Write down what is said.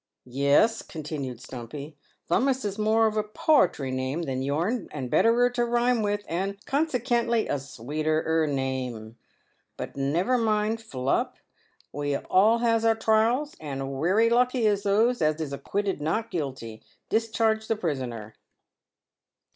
"Yes," continued Stumpy, "Thummus is more of a poetry name than yourn, and betterer to rhyme with, and, consekently, a sweeterer name. But never mind, Philup, we all has our trials, and werry lucky is those as is acquitted not guilty, discharge the prisoner."